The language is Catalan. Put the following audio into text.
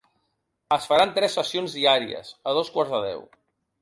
Es faran tres sessions diàries: a dos quarts de deu.